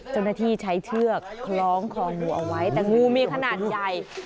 เจ้าหน้าที่ใช้เชือกคล้องคองูเอาไว้แต่งูมีขนาดใหญ่